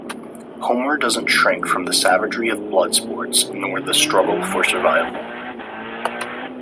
Homer doesn't shrink from the savagery of blood sports nor the struggle for survival.